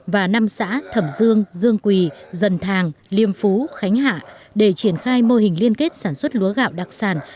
và năm xã thẩm dương dương quỳ dân thàng liêm phú khánh hạ để triển khai mô hình liên kết sản xuất lúa gạo đặc sản